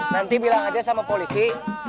nanti bilang aja sama polisi